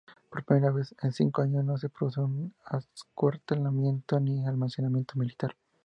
Por primera vez en cinco años no se produce un acuartelamiento ni alzamiento militar.